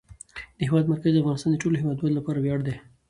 د هېواد مرکز د افغانستان د ټولو هیوادوالو لپاره ویاړ دی.